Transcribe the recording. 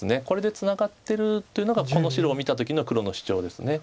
これでツナがってるというのがこの白を見た時の黒の主張です。